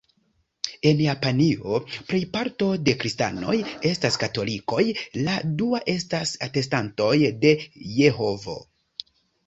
En Japanio, plejparto de Kristanoj estas Katolikoj, la dua estas Atestantoj de Jehovo.